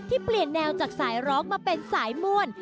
เปลี่ยนแนวจากสายร้องมาเป็นสายม่วน